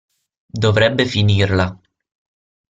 Dovrebbe finirla!